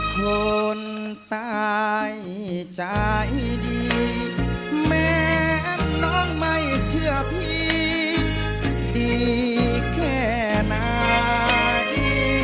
คนตายใจดีแม้น้องไม่เชื่อพี่ดีแค่ไหน